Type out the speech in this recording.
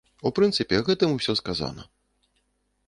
У прынцыпе, гэтым усё сказана.